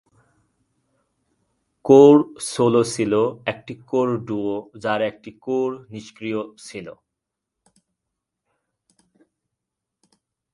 Core solo ছিল একটি core duo যার একটি কোর নিষ্ক্রিয় ছিল।